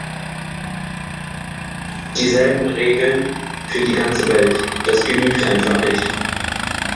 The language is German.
Dieselben Regeln für die ganze Welt das genügt einfach nicht.